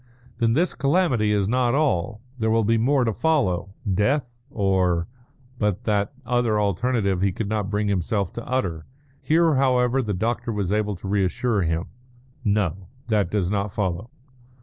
"Then this calamity is not all. There will be more to follow death or " but that other alternative he could not bring himself to utter. Here, however, the doctor was able to reassure him. "No. That does not follow."